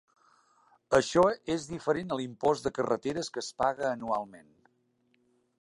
Això és diferent a l'impost de carreteres que es paga anualment.